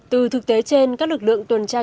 từ thực tế trên các lực lượng tuần tra